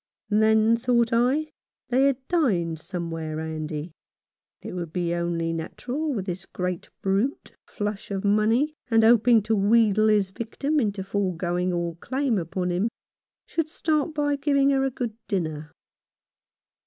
Then, thought I, they had dined somewhere handy. It would be only natural that this great brute, flush of money, and hoping to wheedle his victim into foregoing all claim upon him, should start by giving her a good dinner.